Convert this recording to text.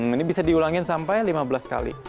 ini bisa diulangin sampai lima belas kali